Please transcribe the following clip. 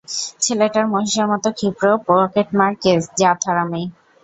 ছেলেটা মহিষের মতো ক্ষিপ্র পকেটমার কেস, জাত হারামি।